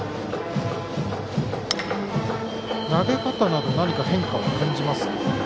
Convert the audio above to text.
投げ方など何か変化は感じますか。